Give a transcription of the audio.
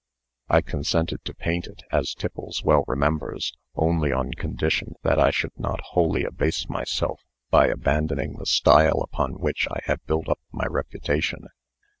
I consented to paint it, as Tiffles well remembers, only on condition that I should not wholly abase myself by abandoning the style upon which I have built up my reputation."